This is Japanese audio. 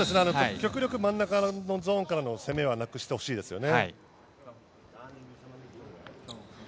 極力真ん中のゾーンからの攻めはなくしてほしいですよね。